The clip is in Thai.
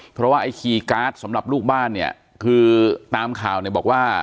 เพราะว่าไอ้คีย์การ์ดสำหรับลูกบ้านเนี่ยคือตามข่าวเนี่ยบอกว่า